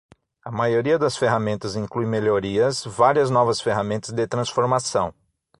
A maioria das ferramentas inclui melhorias, várias novas ferramentas de transformação.